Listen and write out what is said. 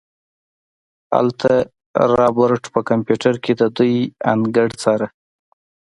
هلته رابرټ په کمپيوټر کې د دوئ انګړ څاره.